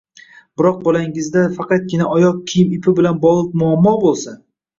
Biroq bolangizda faqatgina oyoq kiyim ipi bilan bog‘liq muammo bo‘lsa